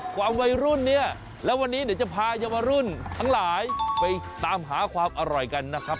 ความวัยรุ่นเนี่ยแล้ววันนี้เดี๋ยวจะพายาวรุ่นทั้งหลายไปตามหาความอร่อยกันนะครับ